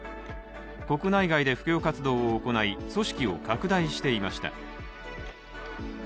国内外で布教活動を行い組織を拡大していました。